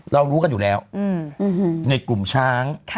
รู้กันอยู่แล้วในกลุ่มช้าง